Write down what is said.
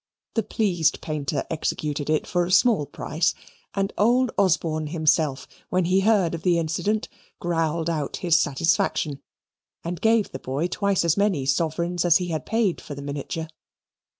The pleased painter executed it for a small price, and old Osborne himself, when he heard of the incident, growled out his satisfaction and gave the boy twice as many sovereigns as he paid for the miniature.